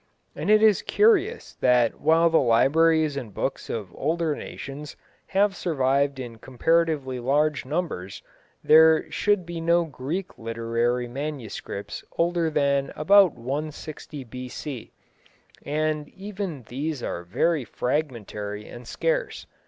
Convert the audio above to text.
And it is curious that while the libraries and books of older nations have survived in comparatively large numbers, there should be no Greek literary manuscripts older than about 160 B.C., and even these are very fragmentary and scarce.